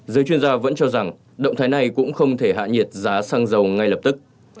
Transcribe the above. giới chuyên gia vẫn cho rằng động thái này cũng không thể hạ nhiệt giá xăng dầu ngay lập tức